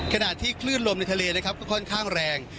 ขณะที่คลื่นลมในทะเลนะครับก็ค่อนข้างแรง